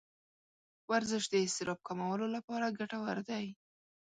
ورزش د اضطراب کمولو لپاره ګټور دی.